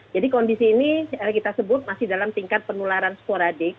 jadi kondisi ini yang kita sebut masih dalam tingkat penularan sporadik